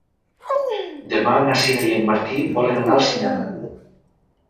Demà na Sira i en Martí volen anar al cinema.